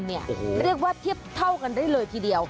เรียกว่าเทียบเท่ากันได้เลยทีเดียว